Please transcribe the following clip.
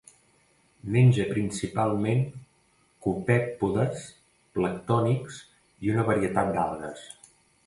Menja principalment copèpodes planctònics i una varietat d'algues.